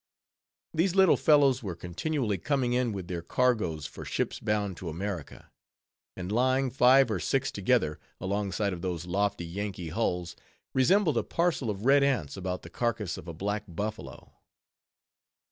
These little fellows were continually coming in with their cargoes for ships bound to America; and lying, five or six together, alongside of those lofty Yankee hulls, resembled a parcel of red ants about the carcass of a black buffalo.